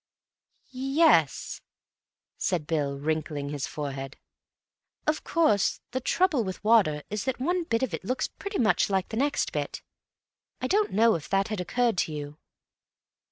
"Y yes," said Bill, wrinkling his forehead. "Of course, the trouble with water is that one bit of it looks pretty much like the next bit. I don't know if that had occurred to you.